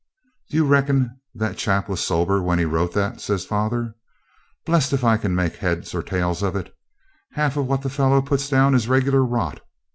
'Do you reckon that chap was sober when he wrote that?' says father. 'Blest if I can make head or tail of it. Half what them fellows puts down is regular rot.